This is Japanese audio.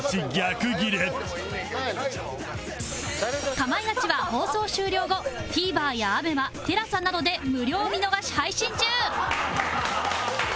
『かまいガチ』は放送終了後 ＴＶｅｒ や ＡＢＥＭＡＴＥＬＡＳＡ などで無料見逃し配信中